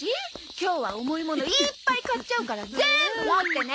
今日は重いものいっぱい買っちゃうからぜーんぶ持ってね！